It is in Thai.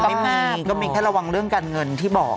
ไม่มีก็มีแค่ระวังเรื่องการเงินที่บอก